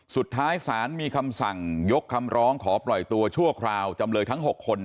สุดท้ายศาลมีคำสั่งยกคำร้องขอปล่อยตัวชั่วคราวจำเลยทั้ง๖คน